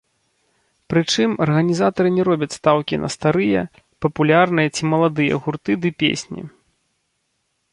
Прычым, арганізатары не робяць стаўкі на старыя, папулярныя ці маладыя гурты ды песні.